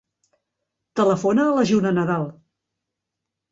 Telefona a la Juna Nadal.